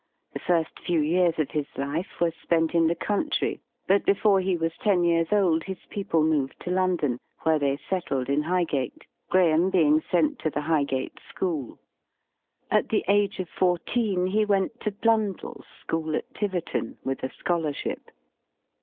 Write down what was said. The fir^ few years of his life were spent vn the country ^ hut hefore he was ten years old his people moved to London^ where they settled in Highgate, Graeme heing sent to the Highgate School, At the age of fourteen he went to BlundeWs School at Tiverton^ with a scholarship.